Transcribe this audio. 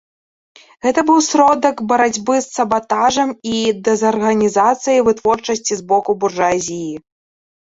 Гэта быў сродак барацьбы з сабатажам і дэзарганізацыяй вытворчасці з боку буржуазіі.